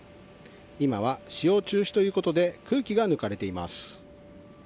今は使用中止ということで空気が抜かれています。